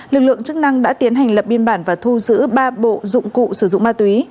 lực lượng chức năng đã tiến hành lập biên bản và thu giữ ba bộ dụng cụ sử dụng ma túy